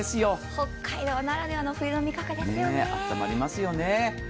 北海道ならではの冬の味覚ですよね。